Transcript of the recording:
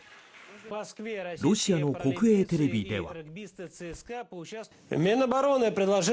ロシアの国営テレビでは。